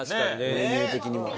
メニュー的にも。